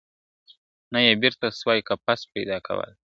نه یې بیرته سوای قفس پیدا کولای ,